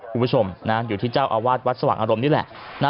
คุณผู้ชมอยู่ที่เจ้าอาวาสวัดสว่างอารมณ์นี่แหละ